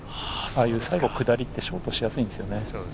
最後、下りってショートしやすいんですよね。